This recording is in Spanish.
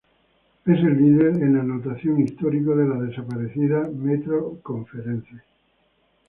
Es el líder en anotación histórico de la desaparecida Metro Conference.